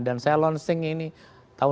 dan saya launching ini tahun dua ribu lima belas